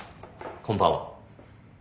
こんばんは。